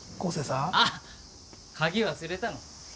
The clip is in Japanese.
あカギ忘れたの？